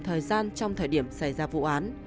thời gian trong thời điểm xảy ra vụ án